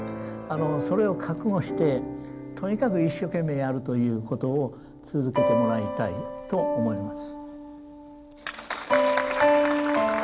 それを覚悟してとにかく一生懸命やるという事を続けてもらいたいと思います。